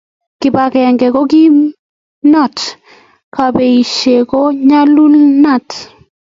kibagenge ko kimnatet, kabesie ko nyalulnat